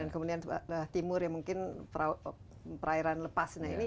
kemudian timur ya mungkin perairan lepas